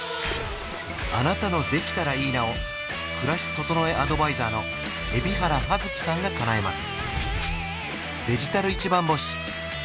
あなたの「できたらいいな」を暮らし整えアドバイザーの海老原葉月さんがかなえます